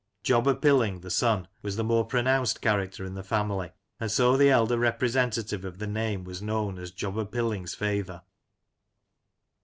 Jobber Pilling, the son, was the more pronounced character in the family, and so the elder repre sentative of the name was known as ''Jobber Filling's Feyther."